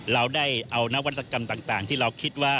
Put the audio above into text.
เราได้เอานวัตกรรมต่างที่เราคิดว่า